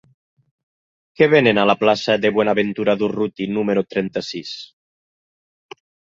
Què venen a la plaça de Buenaventura Durruti número trenta-sis?